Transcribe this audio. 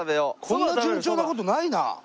こんな順調な事ないな。